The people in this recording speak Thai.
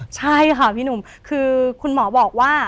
ใช่ค่ะพี่หนุ่มคือคุณหมอบอกว่า